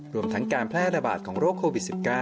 รวมทั้งการแพร่ระบาดของโรคโควิด๑๙